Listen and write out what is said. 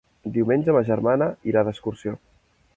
Diumenge ma germana irà d'excursió.